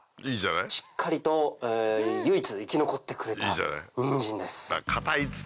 しっかりと唯一生き残ってくれたニンジンです。